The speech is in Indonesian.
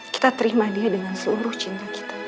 kita terima dia dengan seluruh cinta kita